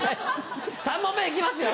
３問目行きますよ！